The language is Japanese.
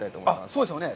そうですよね。